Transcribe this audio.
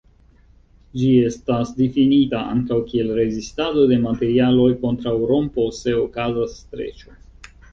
Ĝi estas difinita ankaŭ kiel rezistado de materialoj kontraŭ rompo se okazas streĉo.